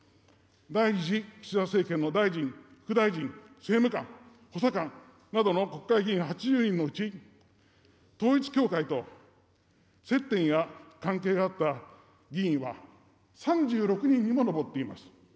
第２次岸田政権の大臣、副大臣、政務官、補佐官などの国会議員８０人のうち、統一教会と接点や関係があった議員は、３６人にも上っています。